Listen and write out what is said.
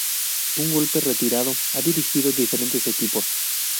Un golpe retirado, ha dirigido diferentes equipos.